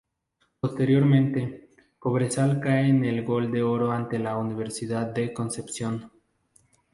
Posteriormente, Cobresal cae en el gol de oro ante la Universidad de Concepción.